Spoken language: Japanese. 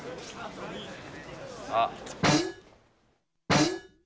あっ。